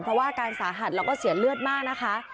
เพราะว่าอาการสาหัสแล้วก็เสียเลือดมากนะคะ